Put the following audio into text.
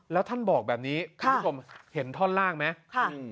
แล้วท่านบอกแบบนี้คุณผู้ชมเห็นท่อนล่างไหม